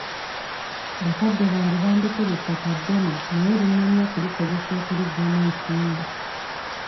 Bakadde bange bandekera ettaka ddene naye linnemye okukozesa okuliggyamu ensimbi.